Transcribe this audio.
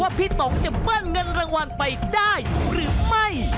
พี่ต๋องจะเบิ้ลเงินรางวัลไปได้หรือไม่